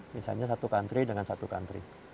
misalnya satu country dengan satu country